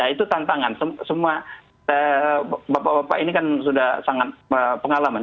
itu tantangan semua bapak bapak ini kan sudah sangat pengalaman